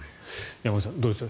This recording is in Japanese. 山口さん、どうでしょう。